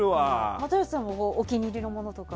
又吉さんもお気に入りのものとかは？